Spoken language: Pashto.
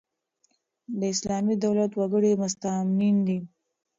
د اسلامي دولت وګړي مستامنین يي.